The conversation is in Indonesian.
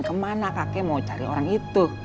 kemana kakek mau cari orang itu